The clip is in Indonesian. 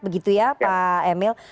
begitu ya pak emil